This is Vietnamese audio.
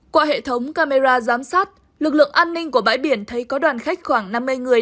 qua hệ thống camera giám sát lực lượng an ninh của bãi biển thấy có đoàn khách khoảng năm mươi người